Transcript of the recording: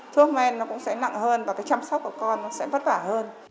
thuốc men nó cũng sẽ nặng hơn và cái chăm sóc của con nó sẽ vất vả hơn